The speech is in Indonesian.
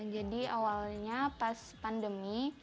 jadi awalnya pas pandemi